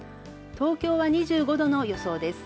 東京は２５度の予想です。